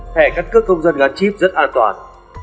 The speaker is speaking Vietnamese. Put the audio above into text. thẻ căn cước công dân gắn chip rất an toàn